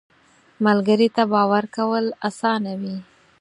ملګری ته باور کول اسانه وي